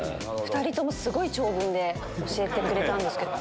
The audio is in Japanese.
２人ともすごい長文で教えてくれたんですけど。